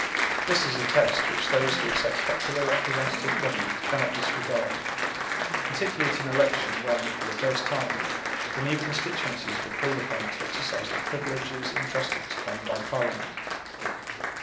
This is a test which those who accept popular representative government cannot disregard, particularly at an election when for the first time the new constituencies were called upon to exercise the privileges entrusted to them by Parliament.